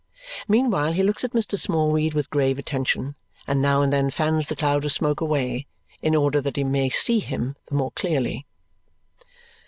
Meanwhile he looks at Mr. Smallweed with grave attention and now and then fans the cloud of smoke away in order that he may see him the more clearly.